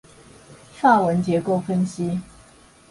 法文結構分析